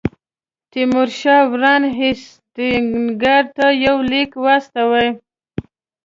تیمورشاه وارن هیسټینګز ته یو لیک واستاوه.